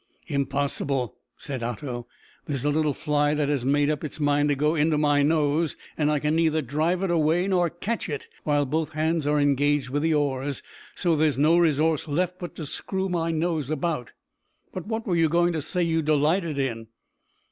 "Impossible," said Otto. "There's a little fly that has made up its mind to go into my nose. I can neither drive it away nor catch it while both hands are engaged with the oars, so there's no resource left but to screw my nose about. But what were you going to say you delighted in?"